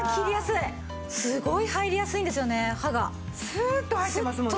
スーッと入ってますもんね。